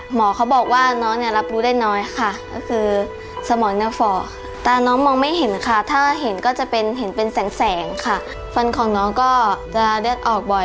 หมอเขาบอกว่าน้องรับรู้ได้น้อยค่ะนั่นคือสมองในฝ่อ